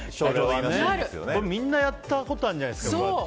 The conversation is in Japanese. みんなやったことあるんじゃないですか。